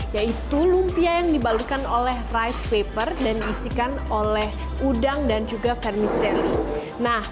yaitu lumpia yang dibalukan oleh rice paper dan isikan oleh udang dan juga verbena